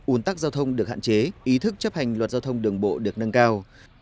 ủn tắc giao thông được hạn chế ý thức chấp hành luật giao thông đường bộ được nâng cao